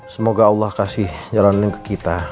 semoga allah kasih jalanan ke kita